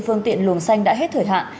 phương tiện luồng xanh đã hết thời hạn